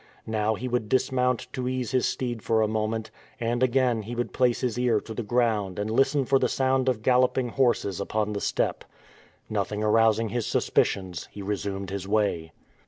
Now he would dismount to ease his steed for a moment, and again he would place his ear to the ground to listen for the sound of galloping horses upon the steppe. Nothing arousing his suspicions, he resumed his way.